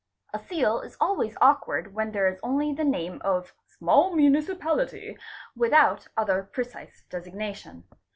A seal is always awkward when there is only the name of small Munici pality without other precise designation.